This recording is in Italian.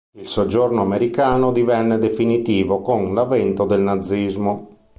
Il soggiorno americano divenne definitivo con l'avvento del nazismo.